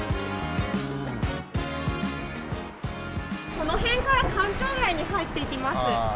この辺から官庁街に入っていきます。